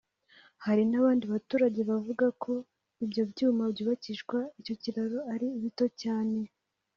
hari n’abandi baturage bavuga ko ibyuma byubakishwa icyo kiraro ari bito cyane